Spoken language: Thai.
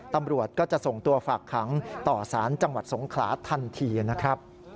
ตำรวจก็จะส่งตัวฝากขังต่อสารจังหวัดสงขลาทันทีนะครับ